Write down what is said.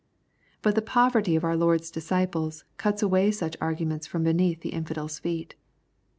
But the poverty of our Lord's disciples cuts away such argu ments from beneath the infidel's feet.